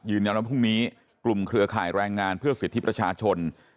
ว่าพรุ่งนี้กลุ่มเครือข่ายแรงงานเพื่อสิทธิประชาชน